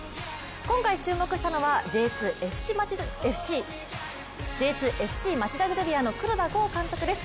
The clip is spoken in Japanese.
今回、注目したのはＪ２ＦＣ町田ゼルビアの黒田剛監督です。